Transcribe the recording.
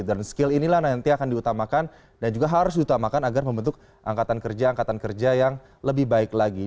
dan skill inilah nanti akan diutamakan dan juga harus diutamakan agar membentuk angkatan kerja angkatan kerja yang lebih baik lagi